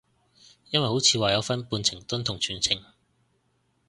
因為好似話有分半程蹲同全程